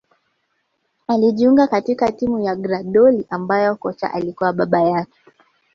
Alijiunga katika timu ya Grahdoli ambayo kocha alikuwa baba yake